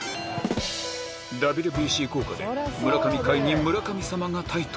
ＷＢＣ効果で村上界に村神様が台頭